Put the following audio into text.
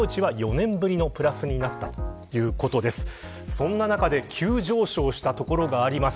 そんな中で急上昇した所があります。